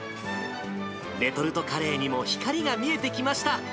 レトルトカレーにも光が見えてきました。